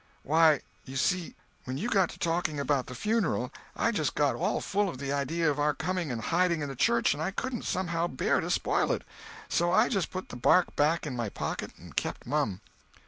"Why, you see, when you got to talking about the funeral, I just got all full of the idea of our coming and hiding in the church, and I couldn't somehow bear to spoil it. So I just put the bark back in my pocket and kept mum."